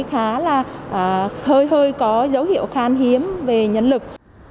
hơi hơi có dấu hiệu khan hiếm về nhân lực